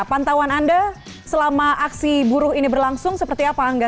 pantauan anda selama aksi buruh ini berlangsung seperti apa angga